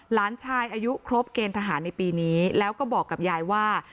หลานชายอายุครบเกณฑ์ทหารในปีนี้แล้วก็บอกกับยายว่า